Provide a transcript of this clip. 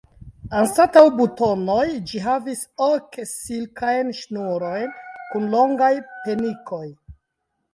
Anstataŭ butonoj ĝi havis ok silkajn ŝnurojn kun longaj penikoj.